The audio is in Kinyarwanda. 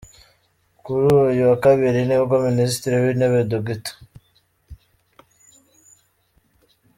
Kuri uyu wa Kabiri nibwo Minisitiri w’Intebe, Dr.